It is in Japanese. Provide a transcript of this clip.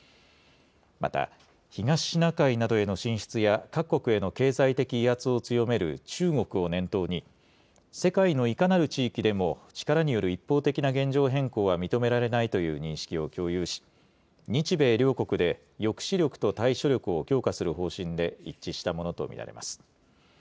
また、東シナ海などへの進出や各国への経済的威圧を強める中国を念頭に、世界のいかなる地域でも力による一方的な現状変更は認められないという認識を共有し、日米両国で抑止力と対処力を強化する方針で一致したものと見られます。